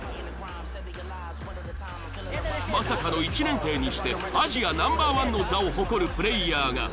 まさかの１年生にしてアジアＮｏ．１の座を誇るプレイヤーが。